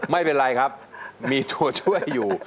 ไม่เป็นไรครับมีตัวช่วยอยู่